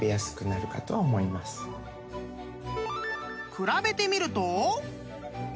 ［比べてみると］